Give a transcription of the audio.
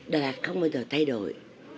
đà lạt không bao giờ thay đổi